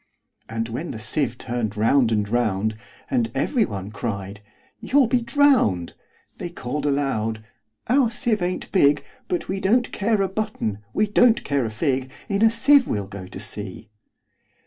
And when the sieve turn'd round and round, And every one cried, "You 'll be drown'd!"They call'd aloud, "Our sieve ain't big:But we don't care a button; we don't care a fig:In a sieve we 'll go to sea!"